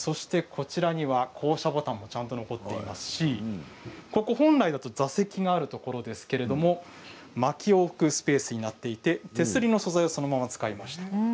こちらには降車ボタンも残っていますし本来ですと座席があるところですけれどまきを置くスペースになっていて手すりの素材はそのまま使っています。